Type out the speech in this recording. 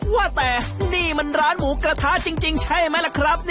ว่าแต่นี่มันร้านหมูกระทะจริงใช่ไหมล่ะครับ